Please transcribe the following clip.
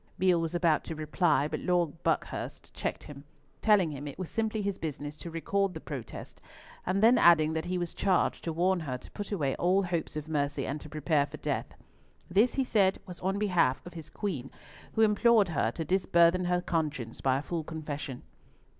Beale was about to reply, but Lord Buckhurst checked him, telling him it was simply his business to record the protest; and then adding that he was charged to warn her to put away all hopes of mercy, and to prepare for death. This, he said, was on behalf of his Queen, who implored her to disburthen her conscience by a full confession.